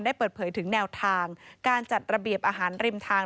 เปิดเผยถึงแนวทางการจัดระเบียบอาหารริมทาง